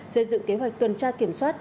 xây dựng kế hoạch tuần tra kiểm soát